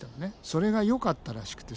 それがよかったらしくてさ。